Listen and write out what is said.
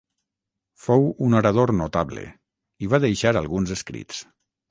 Fou un orador notable i va deixar alguns escrits.